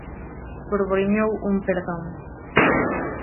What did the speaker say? Borboriñou un perdón: